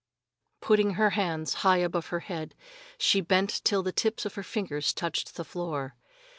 Putting her hands high above her head, she bent till the tips of her fingers touched the floor.